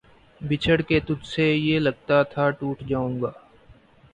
بچھڑ کے تجھ سے یہ لگتا تھا ٹوٹ جاؤں گا